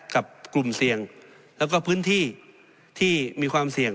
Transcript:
กลุ่มเสี่ยงแล้วก็พื้นที่ที่มีความเสี่ยง